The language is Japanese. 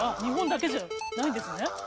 日本だけじゃないんですね。